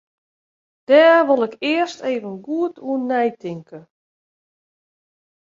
Dêr wol ik earst even goed oer neitinke.